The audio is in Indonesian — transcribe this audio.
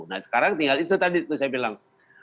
nah sekarang tinggal itu tadi tuh saya bilang